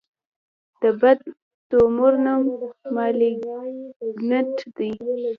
د بد تومور نوم مالېګننټ دی.